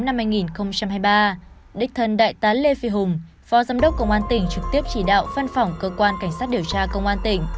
đích thân đại tá lê phi hùng phó giám đốc công an tỉnh trực tiếp chỉ đạo phân phỏng cơ quan cảnh sát điều tra công an tỉnh